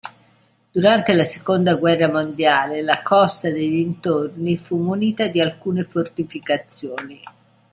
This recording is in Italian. Durante la seconda guerra mondiale la costa dei dintorni fu munita di alcune fortificazioni.